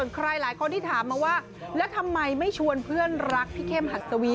คนที่ถามว่าแล้วทำไมไม่ชวนเพื่อนลักพี่เข้มหัทสวี